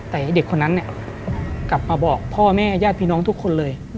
แต่เด็กคนนั้นกลับมาบอกพ่อแม่ญาติพี่น้องทุกคนเลย